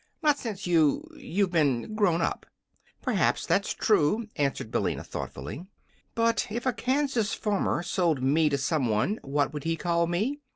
Not since you you've been grown up." "Perhaps that's true," answered Billina, thoughtfully. "But if a Kansas farmer sold me to some one, what would he call me?